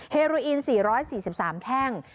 เฮโรอีน๔๔๓แท่ง